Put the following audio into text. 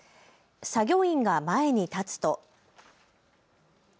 作業員が前に立つと。